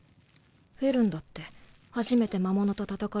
フェルンだって初めて魔物と戦った時。